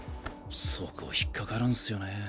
そこ引っかかるんすよね。